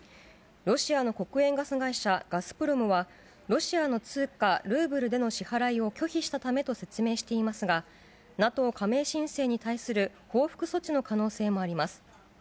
ロシアの国営ガス会社、ガスプロムは、ロシアの通貨ルーブルでの支払いを拒否したためと説明していますが、ＮＡＴＯ加盟申請に対する報復措置の可能性もあります。